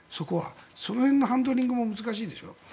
その辺のハンドリングも難しいでしょ。